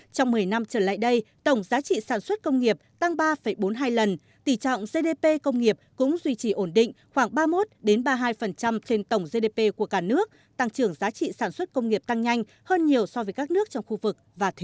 trong một mươi năm trở lại đây tổng giá trị sản xuất công nghiệp tăng ba bốn mươi hai lần tỷ trọng gdp công nghiệp cũng duy trì ổn định khoảng ba mươi một ba mươi hai trên tổng gdp của cả nước tăng trưởng giá trị sản xuất công nghiệp tăng nhanh hơn nhiều so với các nước trong khu vực và thế giới